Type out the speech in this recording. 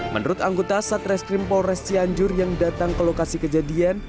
menurut anggota satreskrim polres cianjur yang datang ke lokasi kejadian